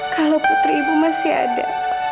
kalau putri ibu masih ada